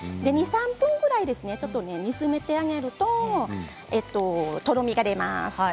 ２、３分ぐらい煮詰めてあげるととろみが出ます。